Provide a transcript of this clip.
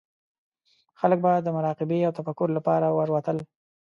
خلک به د مراقبې او تفکر لپاره ورتلل.